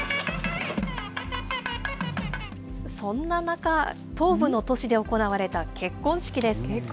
そんな中、東部の都市で行われた結婚式です。